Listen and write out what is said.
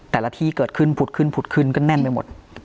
แต่ละที่เกิดขึ้นผุดขึ้นก็แน่นไปหมด